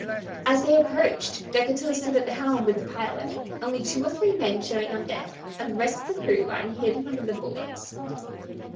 As they approached Decatur stood at the helm with the pilot, only two or three men showing on deck and the rest of the crew lying hidden under the bulwarks.